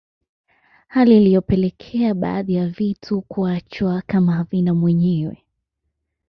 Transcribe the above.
Hali iliyopelekea baadhi ya vitu kuachwa kama havina mwenyewe